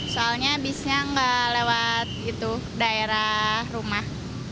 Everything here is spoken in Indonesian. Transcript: soalnya bisnya nggak lewat daerah rumah